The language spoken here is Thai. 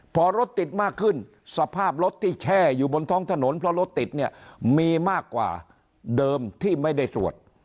พอรถติดมากขึ้นสภาพรถที่แช่อยู่บนท้องถนนเพราะรถติดเนี่ยมีมากกว่าเดิมที่ไม่ได้ตรวจ